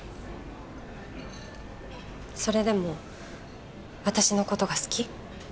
それでも私の事が好き？